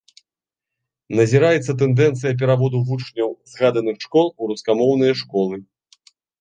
Назіраецца тэндэнцыя пераводу вучняў згаданых школ у рускамоўныя школы.